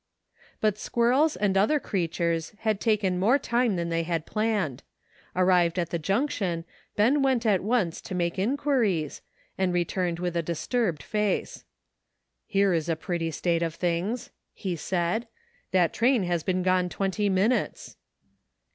But squirrels and other creatures had taken more time than they had planned. Arrived at the junction Ben went at once to make in quiries, and returned with a disturbed face. " Here is a pretty state of things," he said ;" that train has been gone twenty minutes."